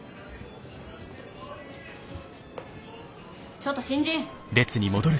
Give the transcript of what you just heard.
ちょっと新人！